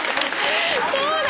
そうだ！